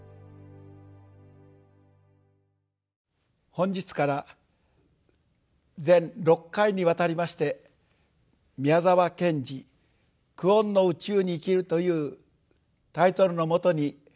本日から全６回にわたりまして「宮沢賢治久遠の宇宙に生きる」というタイトルのもとにお話をさせて頂きます。